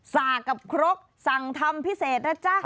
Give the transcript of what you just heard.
สากกับครกสั่งทำพิเศษนะจ๊ะ